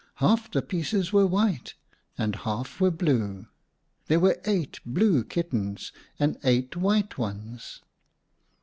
Half the pieces were white and half were blue. There were eight blue kittens and eight white ones."